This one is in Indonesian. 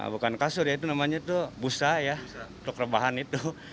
bukan kasur ya itu namanya itu busa ya untuk rebahan itu